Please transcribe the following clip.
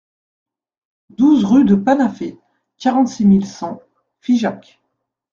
douze rue de Panafé, quarante-six mille cent Figeac